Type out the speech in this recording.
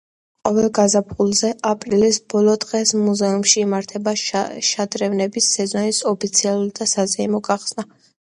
ყოველ გაზაფხულზე აპრილის ბოლო დღეს, მუზეუმში იმართება შადრევნების სეზონის ოფიციალური და საზეიმო გახსნა.